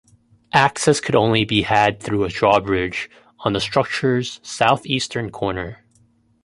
Access could only be had through a drawbridge on the structure's southeastern corner.